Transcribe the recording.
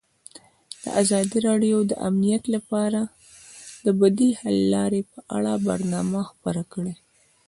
ازادي راډیو د امنیت لپاره د بدیل حل لارې په اړه برنامه خپاره کړې.